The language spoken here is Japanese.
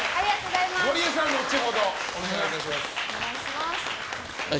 ゴリエさん、後ほどお願いします。